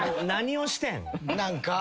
何をしてん？